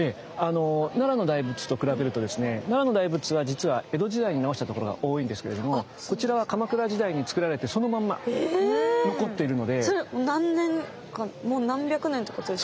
奈良の大仏と比べるとですね奈良の大仏は実は江戸時代に直したところが多いんですけれどもこちらはそれもう何百年ってことですか？